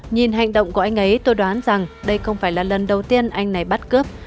nhìn hành động của anh ấy tôi đoán rằng đây không phải là lần đầu tiên anh này bắt cướp